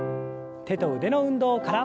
手と腕の運動から。